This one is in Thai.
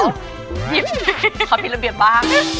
หยิบขอผิดระเบียบบ้าง